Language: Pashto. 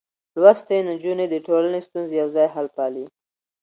لوستې نجونې د ټولنې ستونزې يوځای حل پالي.